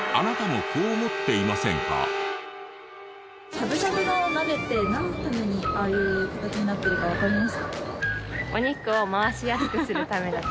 しゃぶしゃぶの鍋ってなんのためにああいう形になってるかわかりますか？